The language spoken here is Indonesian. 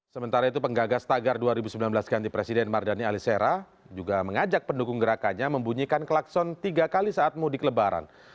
sementara itu penggagas tagar dua ribu sembilan belas ganti presiden mardani alisera juga mengajak pendukung gerakannya membunyikan klakson tiga kali saat mudik lebaran